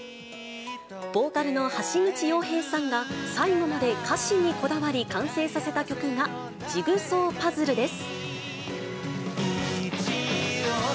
ボーカルの橋口洋平さんが最後まで歌詞にこだわり、完成させた曲がジグソーパズルです。